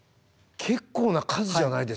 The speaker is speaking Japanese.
結構な数じゃないですか。